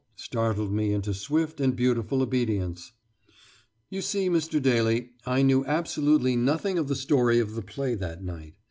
startled me into swift and beautiful obedience, "You see, Mr. Daly, I knew absolutely nothing of the story of the play that night.